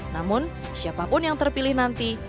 namun siapapun yang terpilih nanti